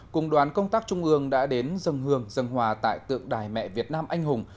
cùng đoàn công tác trung ương đã đến dân hương dân hòa tại tượng đài mẹ việt nam anh hùng